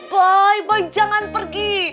boy boy jangan pergi